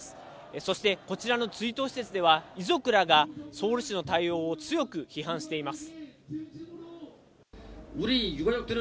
そして、こちらの追悼施設では遺族らがソウル市の対応を強く批判しています。